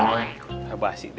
gak apa apa sih d